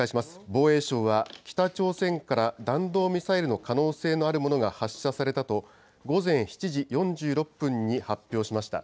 防衛省は、北朝鮮から弾道ミサイルの可能性のあるものが発射されたと、午前７時４６分に発表しました。